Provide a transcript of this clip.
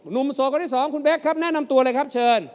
หนุ่มโซโกะที่๒คุณเบ๊กครับแนะนำตัวเลยครับเชิญ